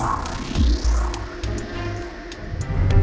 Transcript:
harus gua cek